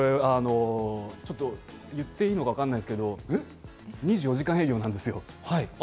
言っていいかわかんないんですけど、２４時間営業なんですよ。